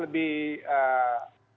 melihat atau melihat